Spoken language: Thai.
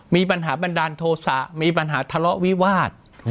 มีปัญหาบันดาลโทษะมีปัญหาทะเลาะวิวาส